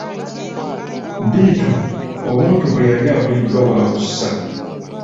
Bittu obuntu bwe yali abuliddwa waabussa.